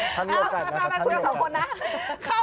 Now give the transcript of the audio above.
ทั้งโลกกันนะครับ